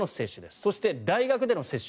そして大学での接種。